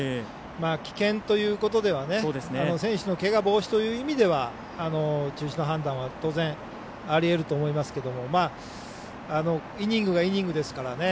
危険ということでは選手のけが防止という意味では中止の判断は当然ありえると思いますがイニングがイニングですからね。